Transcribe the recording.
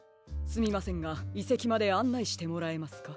すみませんがいせきまであんないしてもらえますか？